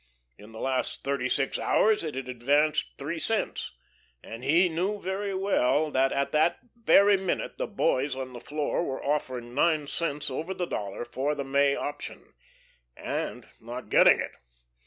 In the last thirty six hours it had advanced three cents, and he knew very well that at that very minute the "boys" on the floor were offering nine cents over the dollar for the May option and not getting it.